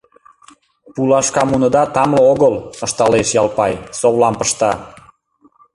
— Пулашкамуныда тамле огыл, — ышталеш Ялпай, совлам пышта.